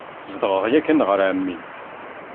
Zedɣeɣ yakan ɣur εemmi.